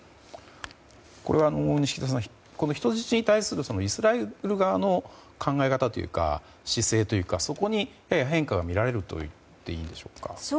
これ錦田さん人質に対するイスラエル側の考え方というか姿勢というか、そこに変化が見られるといっていいんでしょうか。